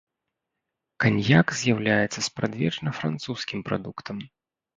Каньяк з'яўляецца спрадвечна французскім прадуктам.